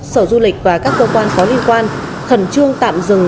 sở du lịch và các cơ quan có liên quan khẩn trương tạm dừng